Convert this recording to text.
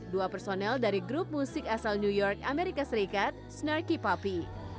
dua personel dari grup musik asal new york amerika serikat snarky puppy